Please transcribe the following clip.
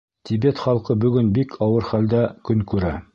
Тибет халҡы бөгөн бик ауыр хәлдә көн күрә.